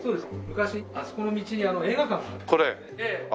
昔あそこの道に映画館があった。